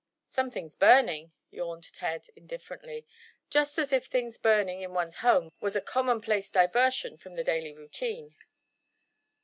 "Something's burning," yawned Ted, indifferently, just as if things burning in one's home was a commonplace diversion from the daily routine.